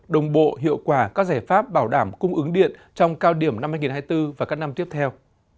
đồng bộ hiệu quả các giải pháp bảo đảm cung ứng điện trong cao điểm năm hai nghìn hai mươi bốn và các năm tiếp theo